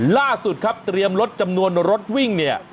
ล่าสุดครับเตรียมลดจำนวนรถวิ่งเนี่ย